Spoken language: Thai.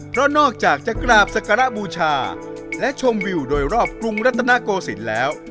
เพราะนอกจากจะกราบสักการะบูชาและชมวิวโดยรอบกรุงรัตนโกศิลป์แล้ว